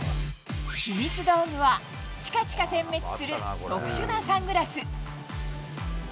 秘密道具は、ちかちか点滅する特殊なサングラス。